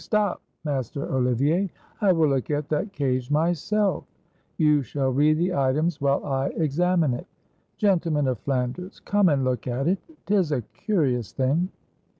Stop, Master Olivier; I will look at that cage myself. You shall read the items while I 2IO WHERE LOUIS XI SAID HIS PRAYERS examine it. Gentlemen of Flanders, come and look at it — 't is a curious thing."